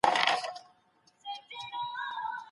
امیر کروړ بابا د امیر پولاد زوی وو.